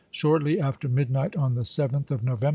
Shortly after midnight on the 7th of Novem i864.